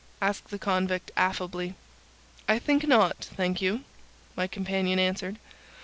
asked the convict, affably. "I think not, thank you," my companion answered.